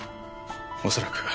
おそらく。